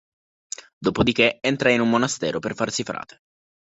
Dopodiché entra in un monastero per farsi frate.